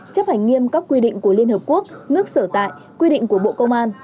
chấp hành nghiêm các quy định của liên hợp quốc nước sở tại quy định của bộ công an